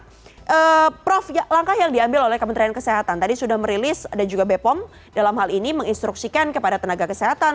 nah prof langkah yang diambil oleh kementerian kesehatan tadi sudah merilis dan juga bepom dalam hal ini menginstruksikan kepada tenaga kesehatan